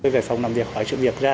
về phòng làm việc hỏi trụng việc ra